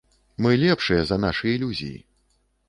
Мы лепшыя за нашы ілюзіі!